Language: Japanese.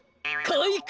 かいか！